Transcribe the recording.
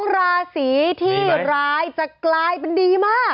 ราศีที่ร้ายจะกลายเป็นดีมาก